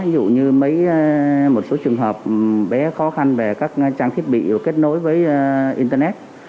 ví dụ như mấy một số trường hợp bé khó khăn về các trang thiết bị kết nối với internet